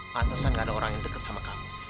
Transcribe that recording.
pantesan gak ada orang yang deket sama kamu